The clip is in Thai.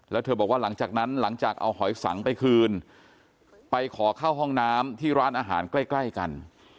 แล้วเธอบอกว่าหลังจากนั้นหลังจากเอาหอยสังไปคืนไปขอเข้าห้องน้ำที่ร้านอาหารใกล้ใกล้กัน